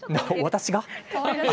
私が？